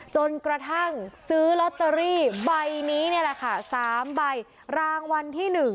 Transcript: จนกระทั่งซื้อลอตเตอรี่ใบนี้นี่แหละค่ะ๓ใบรางวัลที่๑